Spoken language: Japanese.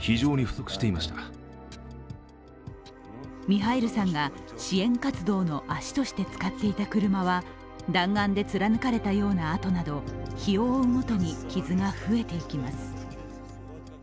ミハイルさんが支援活動の足として使っていた車は弾丸で貫かれたようなあとなど日を追うごとに傷が増えていきます。